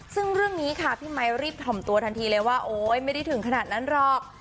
ซึ่งเรื่องนี้ค่ะพี่ไมค์รีบถ่อมตัวทันทีเลยว่าโอ๊ยไม่ได้ถึงขนาดนั้นหรอก